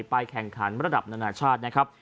แข่งขันระดับนานาชาตินะครับ